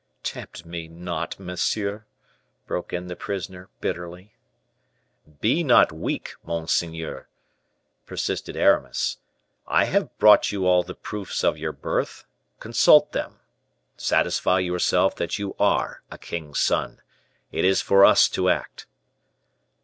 "Tempt me not, monsieur," broke in the prisoner bitterly. "Be not weak, monseigneur," persisted Aramis; "I have brought you all the proofs of your birth; consult them; satisfy yourself that you are a king's son; it is for us to act."